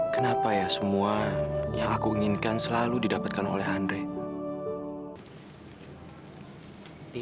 kenapa ya semua yang aku inginkan selalu didapatkan oleh andre